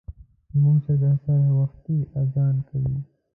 زموږ چرګه سهار وختي اذان کوي.